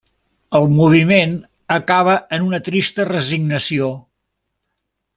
El moviment acaba en una trista resignació.